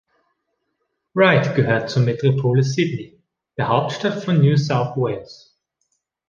Ryde gehört zur Metropole Sydney, der Hauptstadt von New South Wales.